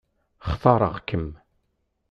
Xtareɣ-kem.